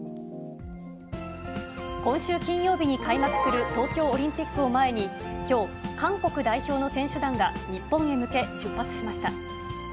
今週金曜日に開幕する東京オリンピックを前に、きょう、韓国代表の選手団が日本へ向け出発しました。